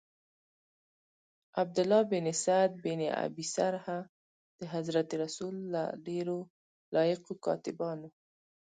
عبدالله بن سعد بن ابی سرح د حضرت رسول له ډیرو لایقو کاتبانو.